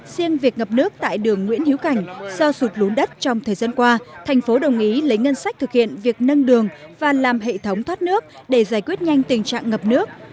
riêng việc ngập nước tại đường nguyễn hiếu cảnh do sụt lún đất trong thời gian qua thành phố đồng ý lấy ngân sách thực hiện việc nâng đường và làm hệ thống thoát nước để giải quyết nhanh tình trạng ngập nước